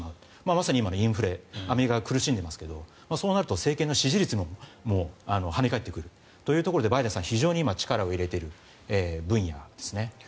まさに今のインフレアメリカが苦しんでますがそうなると政権の支持率にも跳ね返ってくるということでバイデンさんは非常に今力を入れている分野ですね。